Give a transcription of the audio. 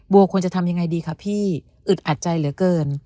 ควรจะทำยังไงดีคะพี่อึดอัดใจเหลือเกิน